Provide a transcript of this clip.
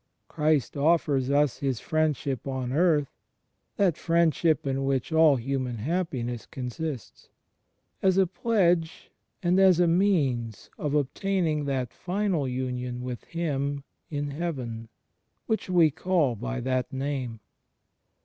Christ offers us His Friendship on earth — that Friendship in which all himaan happiness consists — as a pledge and as a means of obtaining that final union with Him in heaven which we call by that name.